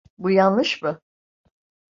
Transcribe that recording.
Bu yanlış mı?